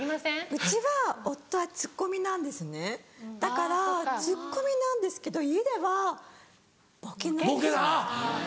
うちは夫はツッコミなんですねだからツッコミなんですけど家ではボケなんですよ。